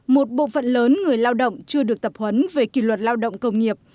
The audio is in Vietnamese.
một bộ phận lớn người lao động chưa được tập huấn về kỷ luật lao động công nghiệp